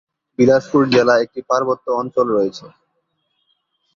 বিলাসপুর জেলা একটি পার্বত্য অঞ্চল রয়েছে।